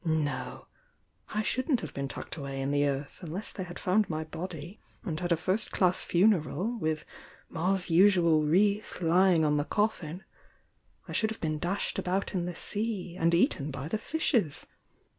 No!— I shouldn't have been tucked away in the earth, unless they had found my body and had a first class funeral with Ma's usual wreath lying on the coffin,— I should have been dashed about in the sea, and eaten by the fishes.